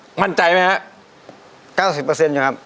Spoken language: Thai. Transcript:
มั่นใจไหมครับ๙๐อยู่ครับ